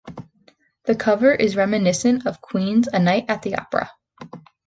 The cover is reminiscent of Queen's "A Night at the Opera".